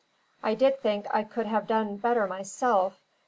I did think I could have done better myself.